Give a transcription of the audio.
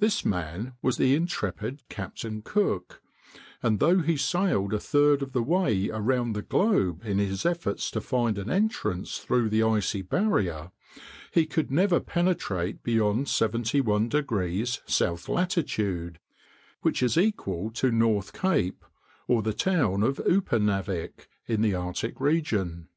This man was the intrepid Captain Cook, and though he sailed a third of the way around the globe in his efforts to find an entrance through the icy barrier, he could never penetrate beyond 71° south latitude, which is equal to North Cape, or the town of Upernavik, in the Arctic region.